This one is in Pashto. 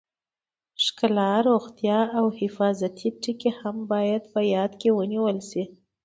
ښکلا، روغتیا او حفاظتي ټکي هم باید په پام کې ونیول شي.